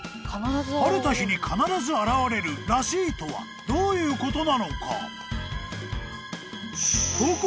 ［晴れた日に必ず現れるらしいとはどういうことなのか？］